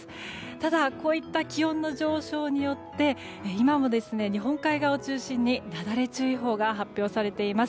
ただこういった気温の上昇によって今も日本海側を中心になだれ注意報が発表されています。